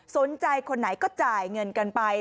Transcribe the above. สนใจคนไหนก็จ่ายเงินกันไป